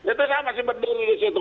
itu saya masih berdiri di situ